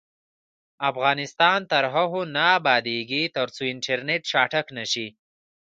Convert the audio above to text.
افغانستان تر هغو نه ابادیږي، ترڅو انټرنیټ چټک نشي.